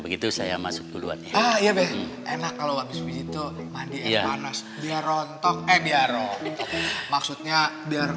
begitu saya masuk duluan ya iya enak kalau abis itu dia rontok eh biar maksudnya biar